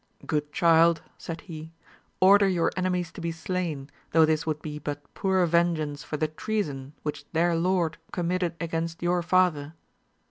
Good child, said he, order your enemies to be slain, though this would be but poor vengeance for the treason which their lord committed against your father.